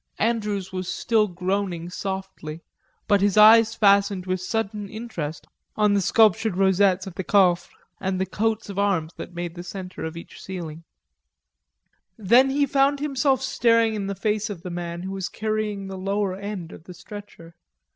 Andrews was still groaning softly, but his eyes fastened with sudden interest on the sculptured rosettes of the coffres and the coats of arms that made the center of each section of ceiling. Then he found himself staring in the face of the man who was carrying the lower end of the stretcher.